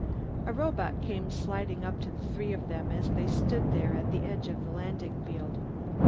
A robot came sliding up to the three of them as they stood there at the edge of the landing field.